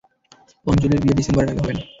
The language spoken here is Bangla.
অঞ্জলির বিয়ে ডিসেম্বরের আগে হবে না।